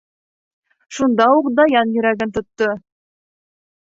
Шунда уҡ Даян йөрәген тотто...